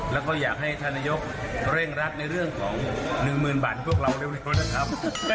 แล้วก็อยากให้ท่านนายกเร่งรัดในเรื่องของ๑๐๐๐บาทพวกเราเร็วนะครับ